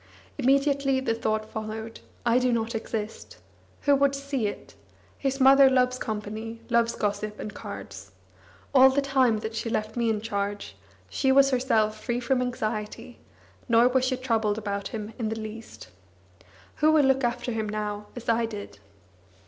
Immediately the thought followed: "I do not exist. Who would see it? His mother loves company, loves gossip and cards. All the time that she left me in charge, she was herself free from anxiety, nor was she troubled about him in the least. Who will look after him now as I did?"